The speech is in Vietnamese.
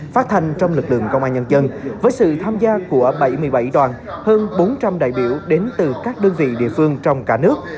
phát thanh trong lực lượng công an nhân dân với sự tham gia của bảy mươi bảy đoàn hơn bốn trăm linh đại biểu đến từ các đơn vị địa phương trong cả nước